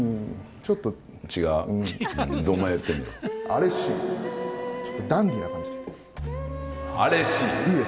ちょっとダンディーな感じで。